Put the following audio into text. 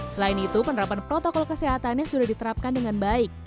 selain itu penerapan protokol kesehatannya sudah diterapkan dengan baik